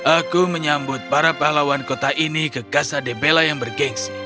aku menyambut para pahlawan kota ini ke casa de bella yang bergensi